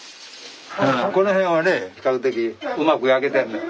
この辺はね比較的うまく焼けてるのよ。